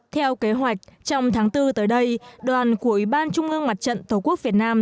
theo kế hoạch trong tháng bốn tới đây đoàn của ủy ban trung ương mặt trận tổ quốc việt nam